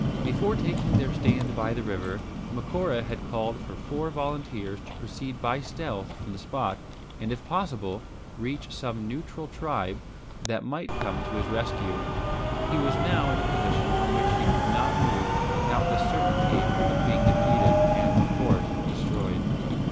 Before taking their stand by the river, Macora had called for four volunteers to proceed by stealth from the spot, and if possible reach some neutral tribe that might come to his rescue. He was now in a position from which he could not move without the certainty of being defeated and of course destroyed.